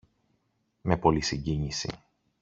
με πολλή συγκίνηση